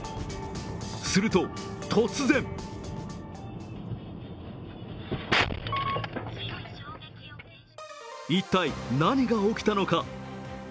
すると突然一体、何が起きたのか？